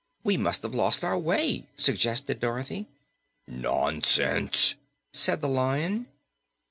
"We must have lost our way," suggested Dorothy. "Nonsense," said the Lion.